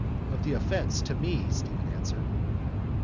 —Of the offence to me, Stephen answered.